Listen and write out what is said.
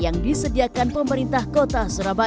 yang disediakan pemerintah kota surabaya